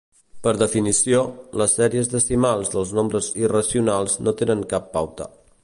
Per definició, les sèries decimals dels nombres irracionals no tenen cap pauta.